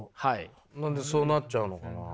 何でそうなっちゃうのかな。